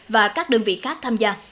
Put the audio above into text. và các đơn vị khác tham gia